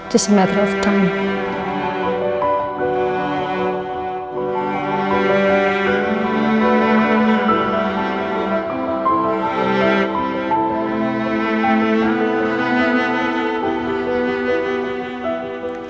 hanya menggunakan waktu